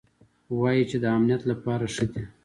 وايي چې د امنيت له پاره ښه دي.